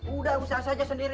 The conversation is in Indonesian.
udah usah saja sendiri